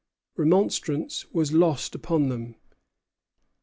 Remonstrance was lost upon them.